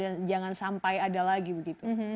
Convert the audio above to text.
dan jangan sampai ada lagi begitu